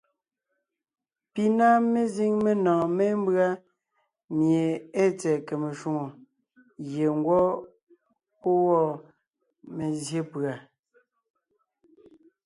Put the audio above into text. Pi na mezíŋ menɔ̀ɔn mémbʉ́a pie ée tsɛ̀ɛ kème shwòŋo gie ńgwɔ́ pɔ́ wɔ́ mezsyé pùa.